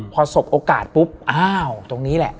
พอสบโอกาสปุ๊บอ้าวตรงนี้แหละ